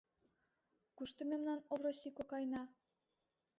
Кушто мемнан Овроси кокайна?